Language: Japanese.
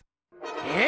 えっ！